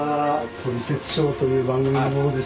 「トリセツショー」という番組の者です。